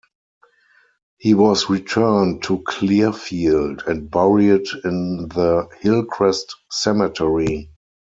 He was returned to Clearfield and buried in the "Hillcrest Cemetery".